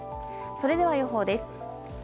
それでは、予報です。